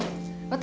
私